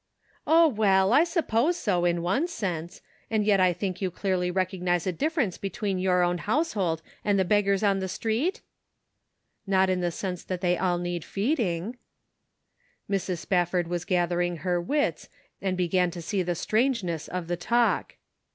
"" Oh, well, I suppose so, in one sense ; and yet I think you clearly recognize a difference between your own household and the beggars in the street?" " Not in the sense that they all need feed ing." Mrs. Spafford was gathering her wits, and began to see the strangeness of the talk.